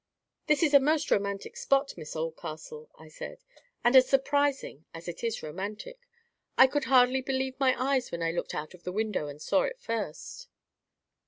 "This is a most romantic spot, Miss Oldcastle," I said; "and as surprising as it is romantic. I could hardly believe my eyes when I looked out of the window and saw it first."